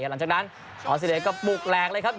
หลังจากนั้นออสเตรเลียก็ปลุกแหลกเลยครับ